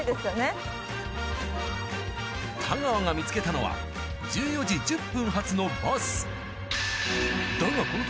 太川が見つけたのは１４時１０分発のバス。